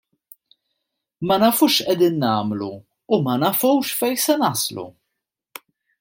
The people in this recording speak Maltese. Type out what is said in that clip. Ma nafux x'qegħdin nagħmlu u ma nafux fejn se naslu.